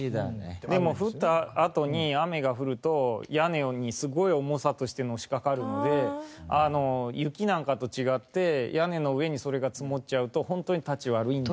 でも降ったあとに雨が降ると屋根にすごい重さとしてのしかかるので雪なんかと違って屋根の上にそれが積もっちゃうとホントにたち悪いんです。